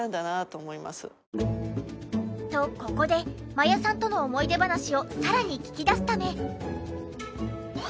とここで真矢さんとの思い出話をさらに聞き出すため。